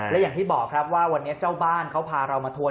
และอย่างที่บอกครับว่าวันนี้เจ้าบ้านเขาพาเรามาทัว